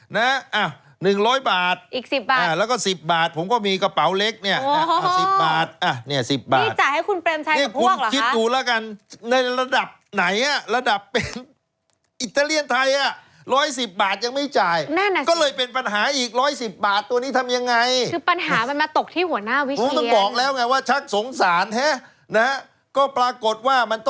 คนละ๒๐บาทสี่คน๘๐บาทค่ารถและบวกค่ารถเข้าไป๓๐บาทรวมทั้งหมด๑๑๐บาท